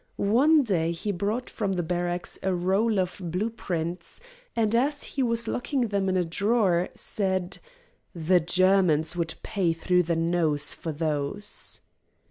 One day he brought from the barracks a roll of blue prints, and as he was locking them in a drawer, said: "The Germans would pay through the nose for those!"